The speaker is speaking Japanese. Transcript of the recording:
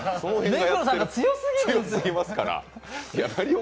目黒さんが強すぎますよ。